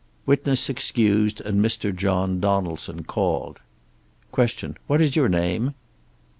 Witness excused and Mr. John Donaldson called. Q. "What is your name?"